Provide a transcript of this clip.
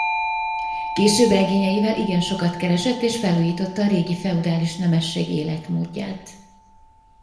Később regényeivel igen sokat keresett és felújította a régi feudális nemesség életmódját.